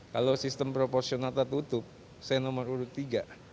kalau sistem proporsional tertutup saya nomor urut tiga